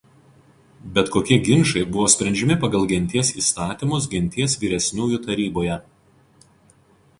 Bet kokie ginčai buvo sprendžiami pagal genties įstatymus genties vyresniųjų taryboje.